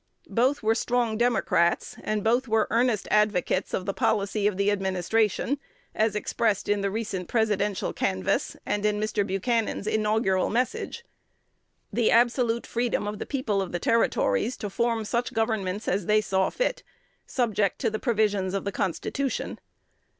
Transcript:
Both were strong Democrats; and both were earnest advocates of the policy of the administration, as expressed in the recent presidential canvass, and in Mr. Buchanan's inaugural Message, the absolute freedom of the people of the Territories to form such governments as they saw fit, subject to the provisions of the Constitution.